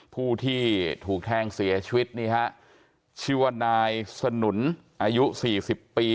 ผู้ที่ถูกแทงเสียชีวิตนี่ฮะชื่อว่านายสนุนอายุสี่สิบปี